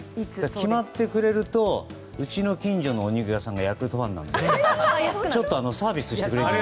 決まってくれるとうちの近所のお肉屋さんがヤクルトファンなのでちょっとサービスしてくれる。